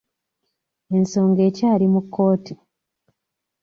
Ensongo ekyali mu kkooti.